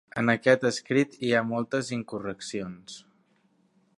En aquest escrit hi ha moltes incorreccions.